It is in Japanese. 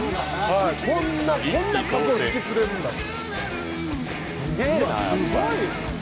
こんな数を引き連れるんだって。